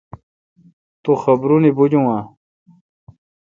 تو خبرونی بجون آں؟